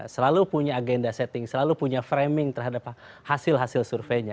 selalu punya agenda setting selalu punya framing terhadap hasil hasil surveinya